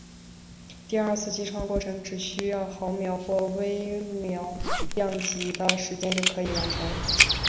整个二次击穿过程只需要毫秒或微秒量级的时间就可以完成。